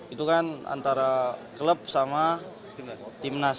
itu kan antara klub sama timnas